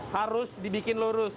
harus dibikin lurus